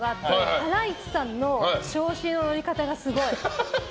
ハライチさんの売り方がすごい。